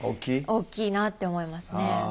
大きいなって思いますね。